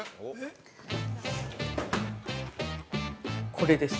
◆これです。